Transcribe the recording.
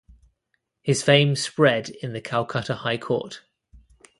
His fame spread in the Calcutta High Court.